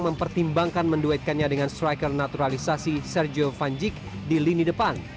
mempertimbangkan menduetkannya dengan striker naturalisasi sergio vanjik di lini depan